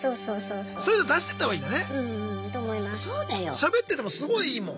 しゃべっててもすごいいいもん